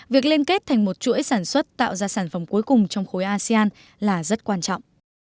việc liên kết thành một chuỗi sản xuất tạo ra sản phẩm cuối cùng trong khối asean là rất quan trọng